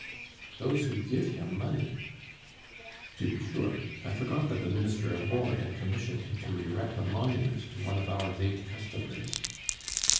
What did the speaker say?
"Those who give him money." "To be sure; I forgot that the Minister of War had commissioned him to erect a monument to one of our late customers.